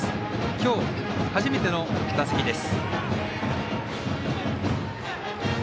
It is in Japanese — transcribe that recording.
今日初めての打席です。